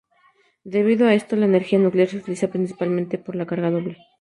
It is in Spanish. Debido a esto, la energía nuclear se utiliza principalmente para la carga base.